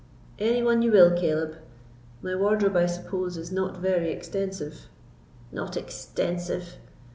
"Any one you will, Caleb; my wardrobe, I suppose, is not very extensive." "Not extensive!"